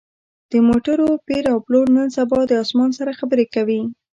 د موټرو پېر او پلور نن سبا د اسمان سره خبرې کوي